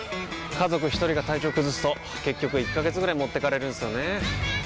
家族一人が体調崩すと結局１ヶ月ぐらい持ってかれるんすよねー。